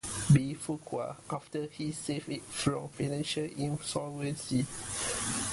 B. Fuqua after he saved it from financial insolvency.